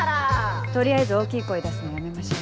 取りあえず大きい声出すのやめましょう。